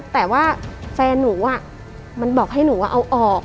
แต่ว่าแฟนหนูมันบอกให้หนูว่าเอาออก